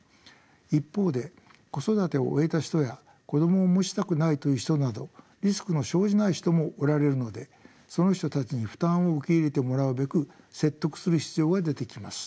一方で子育てを終えた人や子どもを持ちたくないという人などリスクの生じない人もおられるのでその人たちに負担を受け入れてもらうべく説得する必要が出てきます。